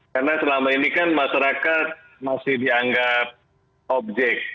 karena selama ini kan masyarakat masih dianggap objek